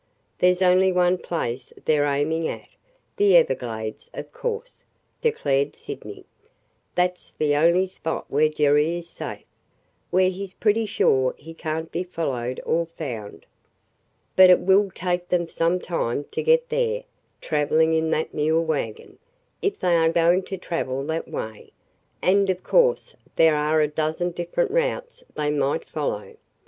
"There 's only one place they 're aiming at – the Everglades, of course!" declared Sydney. "That 's the only spot where Jerry is safe – where he 's pretty sure he can't be followed or found. But it will take them some time to get there, traveling in that mule wagon, if they are going to travel that way; and of course there are a dozen different routes they might follow.